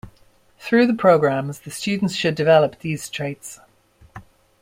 Through the programmes the students should develop these traits.